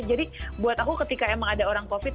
jadi buat aku ketika emang ada orang covid